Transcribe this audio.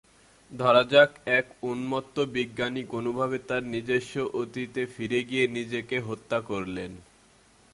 ধরা যাক এক উন্মত্ত বিজ্ঞানী কোনভাবে তার নিজস্ব অতীতে ফিরে গিয়ে নিজেকে হত্যা করলেন।